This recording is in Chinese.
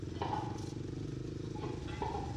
紫缨乳菀是菊科紫菀属的植物。